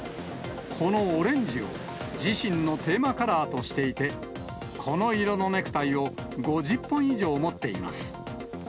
このオレンジを自身のテーマカラーとしていて、この色のネクタイを５０本以上持っています。